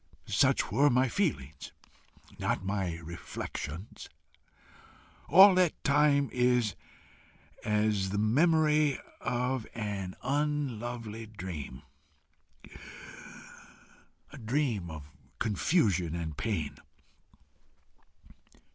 Such were my feelings, not my reflections. All that time is as the memory of an unlovely dream a dream of confusion and pain.